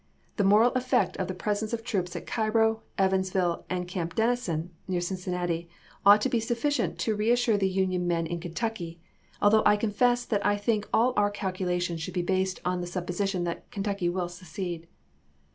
.. The moral effect of the presence of troops at Cairo, Evansville, and Camp Dennison [near Cincinnati] ought to be sufficient to reassure the Union men in Kentucky, although I confess that I think all our calculations should be based on the supposi tion that Kentucky will secede."